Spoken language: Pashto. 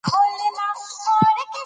ژوند د ښو خلکو په دعاوو ټینګ ولاړ وي.